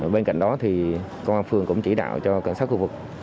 bên cạnh đó thì công an phường cũng chỉ đạo cho cảnh sát khu vực